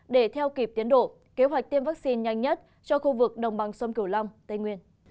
để theo kịp tiến độ kế hoạch tiêm vaccine nhanh nhất cho khu vực đồng bằng sông cửu long tây nguyên